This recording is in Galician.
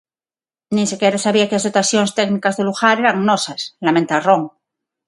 Nin sequera sabía que as dotacións técnicas do lugar eran nosas, lamenta Ron.